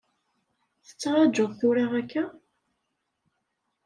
Tettrajuḍ tura akka?